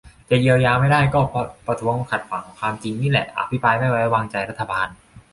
จะเยียวยาไม่ได้ก็เพราะประท้วงขัดขวางความจริงนี่แหละ อภิปรายไม่ใว้วางใจรัฐบาล